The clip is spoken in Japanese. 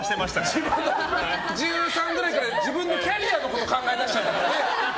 １３ぐらいから自分のキャリアのこと考え出したからね。